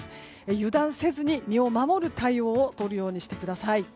油断せずに身を守る対応をとるようにしてください。